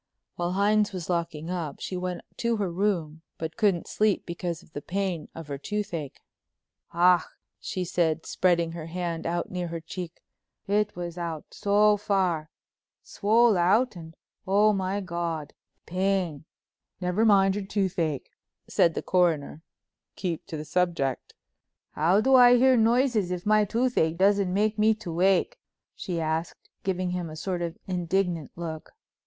While Hines was locking up she went to her room but couldn't sleep because of the pain of her toothache. "Ach," she said, spreading her hand out near her cheek, "it was out so far—swole out, and, oh, my God—pain!" "Never mind your toothache," said the Coroner—"keep to the subject." "How do I hear noises if my toothache doesn't make me to wake?" she asked, giving him a sort of indignant look.